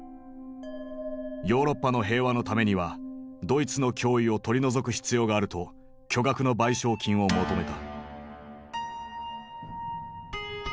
ヨーロッパの平和のためにはドイツの脅威を取り除く必要があると巨額の賠償金を求めた。